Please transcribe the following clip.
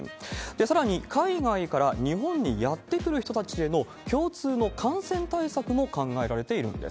さらに、海外から日本にやって来る人たちへの共通の感染対策も考えられているんです。